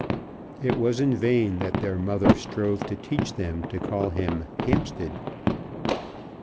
It was in vain that their mother strove to teach them to call him Hampstead.